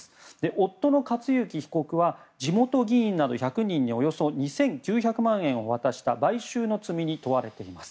夫の克行被告は地元議員ら１００人におよそ２９００万円を渡した買収の罪に問われています。